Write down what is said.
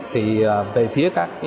thì về phía các nhà đầu tư